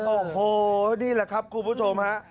โอ้โหนี่แหละครับคุณผู้ชมฮะ